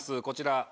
こちら。